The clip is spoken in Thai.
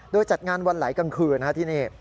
ด้วยจัดงานวันไหลกลางคืนนะฮะที่นี่